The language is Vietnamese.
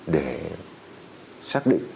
để xác định